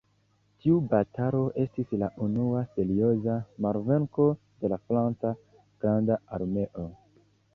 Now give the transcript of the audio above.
Tiu batalo estis la unua serioza malvenko de la franca "granda armeo".